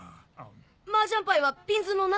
マージャンパイはピンズの７？